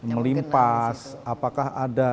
melimpas apakah ada